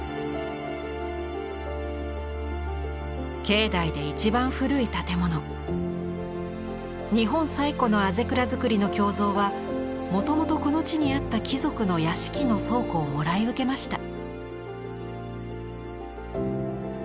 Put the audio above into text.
境内で一番古い建物日本最古の校倉造りの経蔵はもともとこの地にあった貴族の屋敷の倉庫をもらい受けました。